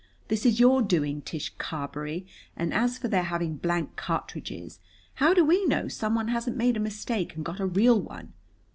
This is your doing, Tish Carberry, and as for their having blank cartridges how do we know someone hasn't made a mistake and got a real one?"